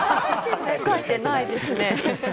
書いてないですね。